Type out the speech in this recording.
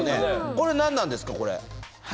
これはなんなんですか？